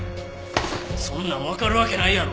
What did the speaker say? そんなんわかるわけないやろ！